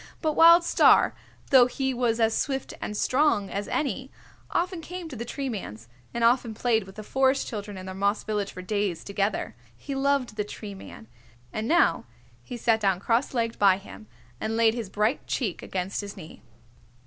But Wild Star, though he was as swift and strong as any, often came to the Tree Man's, and often played with the Forest Children in their moss village for days together. He loved the Tree Man, and now he sat down cross legged by him, and laid his bright cheeck against his knee.